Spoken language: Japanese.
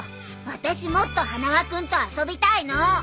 私もっと花輪君と遊びたいの！